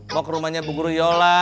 mau ke rumahnya bu guru yola